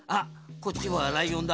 こっちはライオンだ。